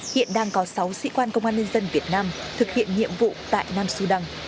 hiện đang có sáu sĩ quan công an nhân dân việt nam thực hiện nhiệm vụ tại nam sudan